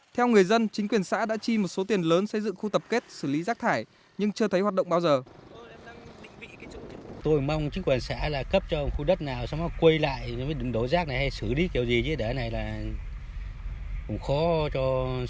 theo người dân chính quyền xã đã chi một số tiền lớn xây dựng khu tập kết xử lý rác thải nhưng chưa thấy hoạt động bao giờ